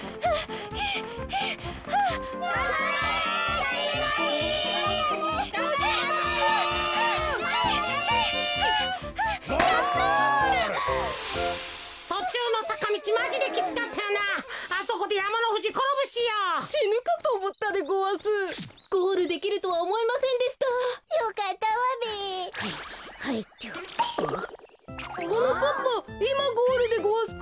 はなかっぱいまゴールでごわすか？